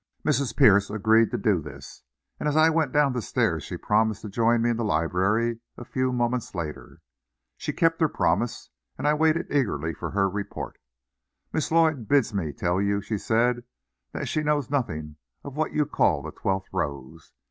Mrs. Pierce agreed to do this, and as I went down the stairs she promised to join me in the library a few moments later. She kept her promise, and I waited eagerly her report. "Miss Lloyd bids me tell you," she said, "that she knows nothing of what you call the twelfth rose.